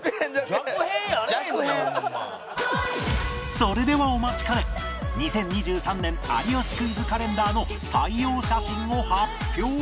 それではお待ちかね２０２３年『有吉クイズ』カレンダーの採用写真を発表！